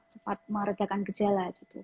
cepat meredakan gejala